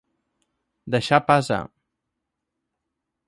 Deixar pas a.